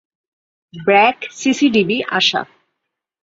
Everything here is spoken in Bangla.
ব্র্যাক, সিসিডিবি, আশা।